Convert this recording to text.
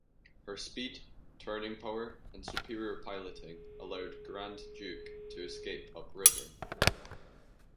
Her speed, turning power, and superior piloting allowed "Grand Duke" to escape up river.